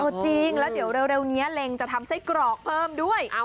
จริงแล้วเดี๋ยวเร็วนี้เล็งจะทำไส้กรอกเพิ่มด้วย